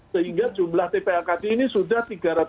sehingga jumlah tpakt ini sudah tiga ratus dua puluh lima